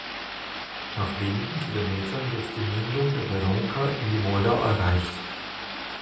Nach wenigen Kilometern wird die Mündung der Berounka in die Moldau erreicht.